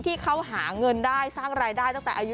ที่เขาหาเงินได้สร้างรายได้ตั้งแต่อายุ